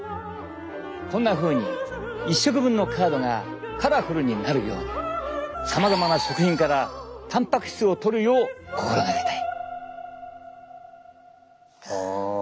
こんなふうに１食分のカードがカラフルになるようにさまざまな食品からたんぱく質をとるよう心がけたい。